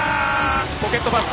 ポケットパス。